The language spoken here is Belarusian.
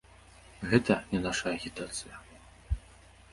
Гэта не наша агітацыя!